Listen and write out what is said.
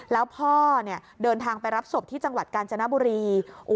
แล้วพ่อเดินทางไปรับศพที่จังหวัดกาญจนบุรี